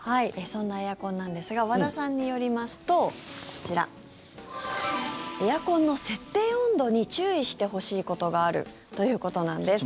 そんなエアコンなんですが和田さんによりますとエアコンの設定温度に注意してほしいことがあるということなんです。